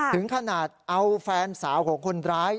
ถึงขนาดเอาแฟนสาวของคนร้าย